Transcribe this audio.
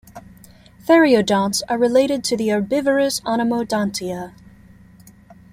Theriodonts are related to the herbivorous Anomodontia.